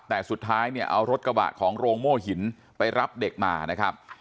แต่สุดท้ายเนี่ยเอารถกระบะของโรงโม่หินไปรับเด็กมานะครับ